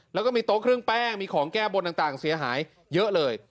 แล้วก็มีโต๊ะเครื่องแป้งมีของแก้บนต่างเสียหายเยอะเลย